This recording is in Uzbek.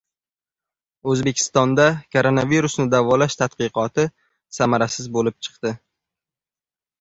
O‘zbekistonda koronavirusni davolash tadqiqoti samarasiz bo‘lib chiqdi